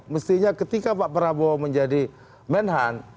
mestinya ketika pak prabowo menjadi menhan